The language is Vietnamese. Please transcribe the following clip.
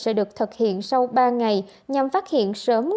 sẽ được thực hiện sau ba ngày nhằm phát hiện sớm